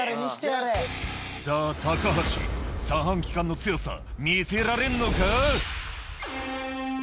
さぁ橋三半規管の強さ見せられんのか？